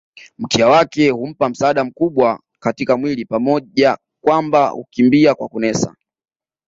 Mkia wake hummpa msaada mkubwa katika mwili pamoja kwamba hukimbia kwa kunesa